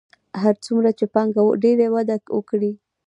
هر څومره چې پانګه ډېره وده وکړي